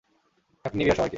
Happy new year সবাইকে!